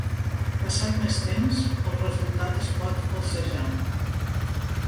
Passat més temps, el resultat es pot falsejar.